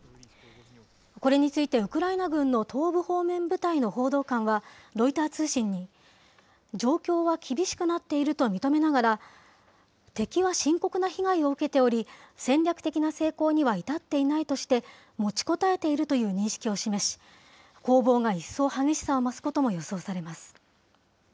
これについてウクライナ軍の東部方面部隊の報道官はロイター通信に、状況は厳しくなっていると認めながら、敵は深刻な被害を受けており、戦略的な成功には至っていないとして、持ちこたえているという認識を示し、攻防が一層激しさを増すことも予想されます。